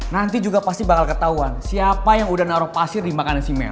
nanti juga pasti bakal ketahuan siapa yang udah naruh pasir di makan si mel